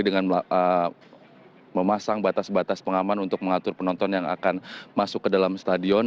dengan memasang batas batas pengaman untuk mengatur penonton yang akan masuk ke dalam stadion